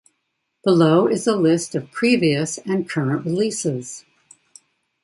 Below is a list of previous and current releases.